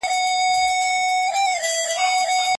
کندهار د دوهم شاه عباس په وخت کې بېرته ونیول شو.